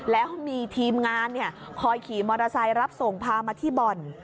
แล้วมีทีมงานคอยขี่มอเตอร์ไซค์รับส่งพามาที่บ่อน